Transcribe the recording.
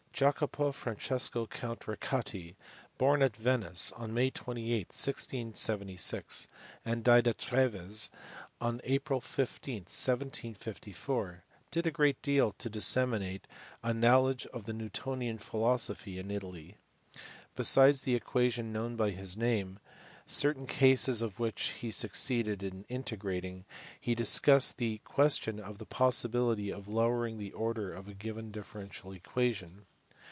Jacopo Francesco, Count Riccati, born at Venice on May 28, 1676, and died at Treves on April 15, 1754, did a great deal to disseminate a knowledge of the Newtonian philosophy in Italy. Besides the equation known by his name, certain cases of which he succeeded in integrating, he discussed the question of the possibility of lowering the order of a given differential equation.